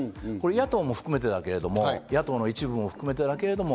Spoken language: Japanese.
野党も含めてだけど、野党の一部も含めてだけど。